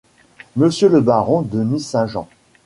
Monsieur le baron de Nucingen !…